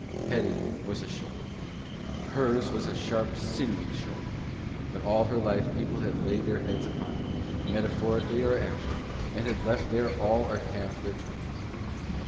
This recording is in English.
Hetty was a Shoulder. Hers was a sharp, sinewy shoulder; but all her life people had laid their heads upon it, metaphorically or actually, and had left there all or half their troubles.